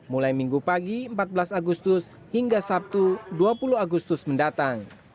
mulai minggu pagi empat belas agustus hingga sabtu dua puluh agustus mendatang